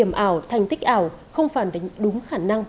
em sợ vào thi không đúng đề gì